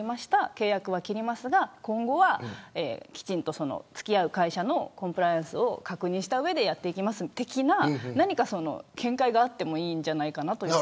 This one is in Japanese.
契約は切りますが今後はきちんと付き合う会社のコンプライアンスを確認してやっていきます的な見解があってもいいんじゃないかなと。